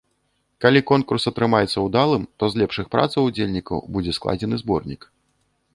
Калі конкурс атрымаецца ўдалым, то з лепшых працаў удзельнікаў будзе складзены зборнік.